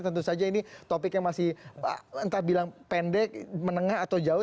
tentu saja ini topiknya masih entah bilang pendek menengah atau jauh